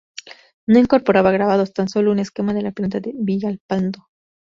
No incorpora grabados, tan sólo un esquema de la planta de Villalpando.